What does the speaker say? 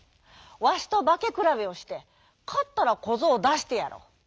わしとばけくらべをしてかったらこぞうをだしてやろう」。